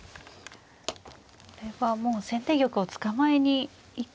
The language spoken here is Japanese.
これはもう先手玉を捕まえに行ってますね。